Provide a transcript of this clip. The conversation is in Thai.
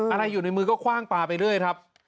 อะไรอยู่ในมือก็คว่างปลาไปเรื่อยครับ